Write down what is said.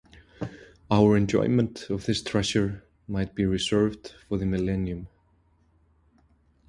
Our enjoyment of this treasure might be reserved for the millennium.